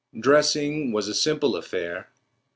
Dressing was a simple affair.